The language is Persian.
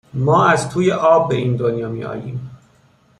ما از توی آب به این دنیا میایم